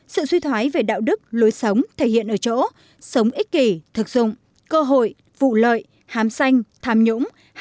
sự suy thoái về đạo đức lối sống thể hiện ở chỗ sống ích kỷ thực dụng cơ hội vụ lợi hám xanh tham nhũng